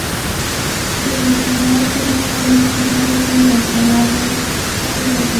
د برېټانیا په نورو مستعمرو کې هم دغه ډول وضعیت و.